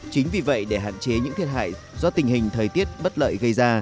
chính vì vậy để hạn chế những thiệt hại do tình hình thời tiết bất lợi gây ra